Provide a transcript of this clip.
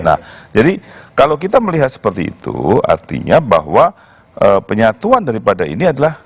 nah jadi kalau kita melihat seperti itu artinya bahwa penyatuan daripada ini adalah